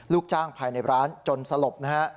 ลูกจ้างภายในร้านจนสลบนะฮะ